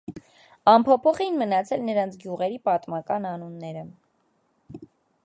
Անփոփոխ էին մնացել նրանց գյուղերի պատմական անունները։